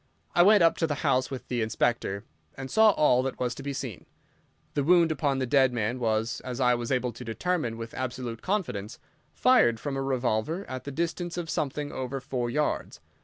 I went up to the house with the Inspector, and saw all that was to be seen. The wound upon the dead man was, as I was able to determine with absolute confidence, fired from a revolver at the distance of something over four yards.